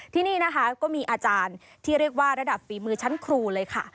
ที่นี่นะคะก็มีอาจารย์ที่เรียกว่าระดับฝีมือชั้นครูเลยค่ะ